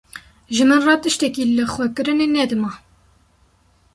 Ji min re tiştekî lixwekirinê ne dima.